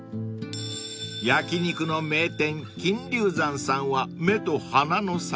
［焼き肉の名店金竜山さんは目と鼻の先］